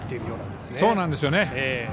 そうなんですよね。